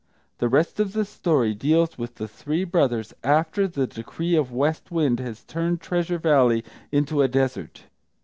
The rest of the story deals with the three brothers after the decree of West Wind has turned Treasure Valley into a desert.